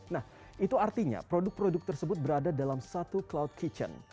nah itu artinya produk produk tersebut berada dalam satu cloud kitchen